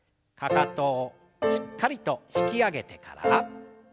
かかとをしっかりと引き上げてから。